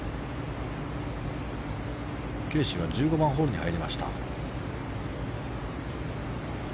ケーシーは１５番ホールに入りました。